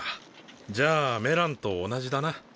じゃあメランと同じだな。